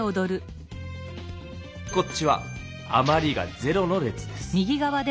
こっちはあまりが０の列です。